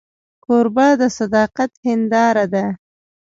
کوربه د صداقت هنداره ده.